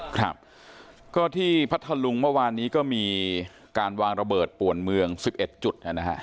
ครับก็ที่พัทธลุงเมื่อวานนี้ก็มีการวางระเบิดป่วนเมือง๑๑จุดนะฮะ